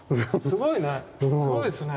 すごいね。